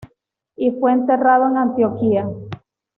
Y fue enterrado en Antioquía.